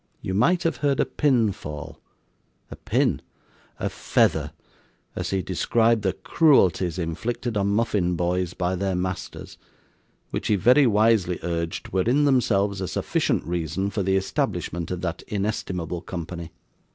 You might have heard a pin fall a pin! a feather as he described the cruelties inflicted on muffin boys by their masters, which he very wisely urged were in themselves a sufficient reason for the establishment of that inestimable company.